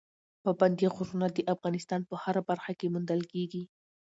پابندی غرونه د افغانستان په هره برخه کې موندل کېږي.